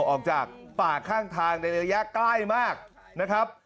ออกจากป่าข้างทางในระยะใกล้มากนะครับ